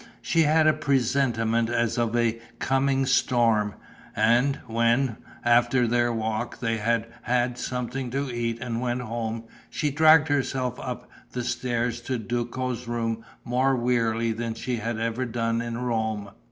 She had a presentiment as of a coming storm; and when, after their walk, they had had something to eat and went home, she dragged herself up the stairs to Duco's room more wearily than she had ever done in Rome.